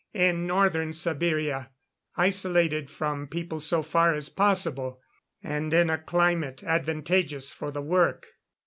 "In Northern Siberia isolated from people so far as possible, and in a climate advantageous for the work."